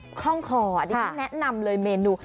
ดิก็แนะนำเลยเมนู